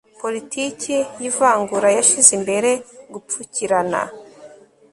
politiki y ivangura yashyize imbere gupfukirana